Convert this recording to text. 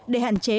để hạn chế